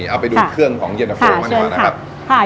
เอาไปดูเครื่องของเย็นตะโฟมาดีกว่านะครับ